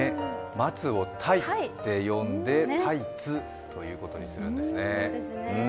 待つを「タイ」って読んで「タイツ」ということにするんですね。